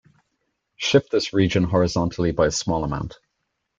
Shift this region horizontally by a small amount.